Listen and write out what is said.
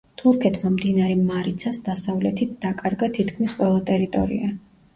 თურქეთმა მდინარე მარიცას დასავლეთით დაკარგა თითქმის ყველა ტერიტორია.